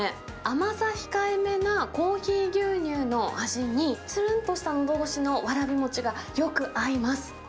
甘さ控えめなコーヒー牛乳の味に、つるんとしたのどごしのわらび餅がよく合います。